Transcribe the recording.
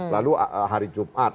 lalu hari jumat